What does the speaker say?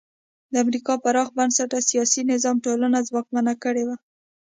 د امریکا پراخ بنسټه سیاسي نظام ټولنه ځواکمنه کړې وه.